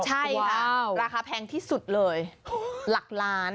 ใช่ค่ะราคาแพงที่สุดเลยหลักล้าน